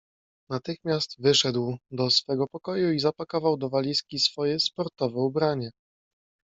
"Natychmiast wyszedł do swego pokoju i zapakował do walizki swoje sportowe ubranie."